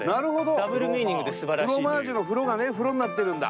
フロマージュの「フロ」がね「風呂」になってるんだ。